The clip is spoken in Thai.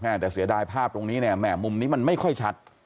แต่เสียดายภาพตรงนี้เนี่ยแม่มุมนี้มันไม่ค่อยชัด